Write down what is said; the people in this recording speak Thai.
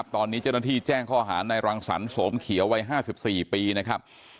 ตอนนี้เจ้าหน้าที่แจ้งข้อหาในรังสรรโสมเขียววัย๕๔ปีนะครับ